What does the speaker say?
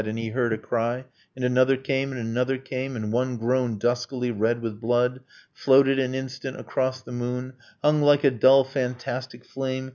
And he heard a cry, And another came, and another came, And one, grown duskily red with blood, Floated an instant across the moon, Hung like a dull fantastic flame